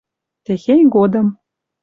техень годым